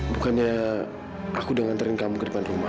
bukannya aku udah nganterin kamu ke depan rumah